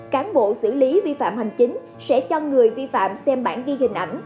cán bộ xử lý vi phạm hành chính sẽ cho người vi phạm xem bản ghi hình ảnh